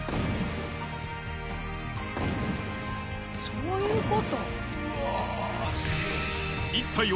そういうこと？